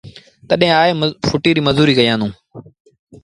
تڏهيݩ آئي ڦُٽيٚ ريٚ مزوريٚ ڪيآݩدوݩ۔